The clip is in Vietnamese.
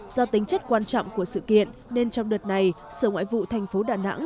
do tính chất quan trọng của sự kiện nên trong đợt này sở ngoại vụ thành phố đà nẵng